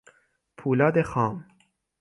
پولاد خام